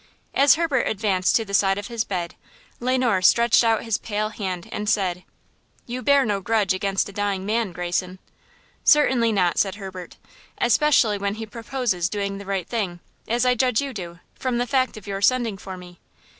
As Herbert advanced to the side of his bed, Le Noir stretched out his pale hand and said: "You bear no grudge against a dying man, Greyson?" "Certainly not," said Herbert, "especially when he proposes doing the right thing, as I judge you do, from the fact of your sending for me."